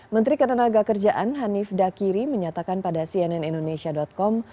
menteri ketenaga kerjaan hanif dakiri menyatakan pada cnn indonesia com